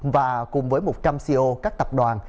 và cùng với một trăm linh ceo các tập đoàn